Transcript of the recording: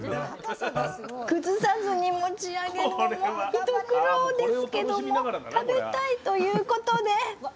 崩さずに持ち上げるのも一苦労ですけども食べたいということで！